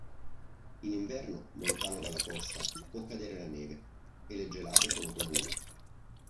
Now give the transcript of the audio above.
In inverno, lontano dalla costa, può cadere la neve, e le gelate sono comuni.